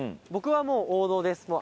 僕はもう王道です。